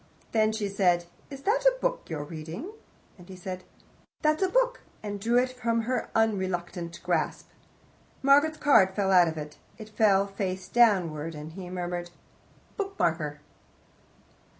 Then she said, "Is that a book you're reading?" and he said, "That's a book," and drew it from her unreluctant grasp. Margaret's card fell out of it. It fell face downwards, and he murmured, "Bookmarker."